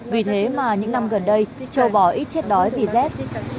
vì thế mà những năm gần đây châu bò ít chết đói vì rét